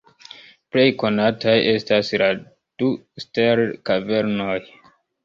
Plej konataj estas la du Sterl-kavernoj.